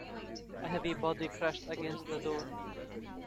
A heavy body crashed against the door.